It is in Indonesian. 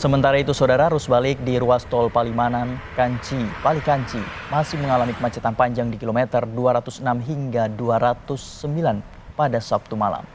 sementara itu saudara arus balik di ruas tol palimanan palikanci masih mengalami kemacetan panjang di kilometer dua ratus enam hingga dua ratus sembilan pada sabtu malam